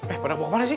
eh pada mau kemana sih